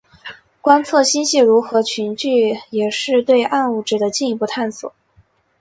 观测星系如何群聚也是对暗物质的更进一步探索。